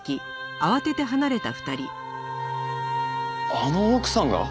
あの奥さんが？